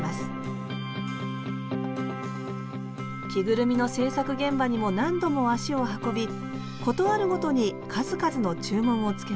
着ぐるみの製作現場にも何度も足を運び事あるごとに数々の注文をつけます。